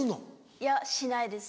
いやしないです。